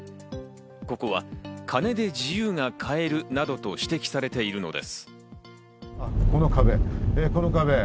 ここは金で自由が買えるなどと指摘されているのです。